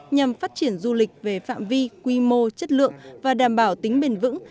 nhằm phát triển du lịch về phạm vi quy mô chất lượng và đảm bảo tính bền vững